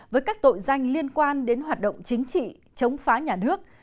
với các tội danh liên quan đến hoạt động chính trị chống phá nhà nước